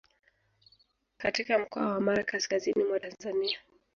katika mkoa wa Mara kaskazini mwa Tanzania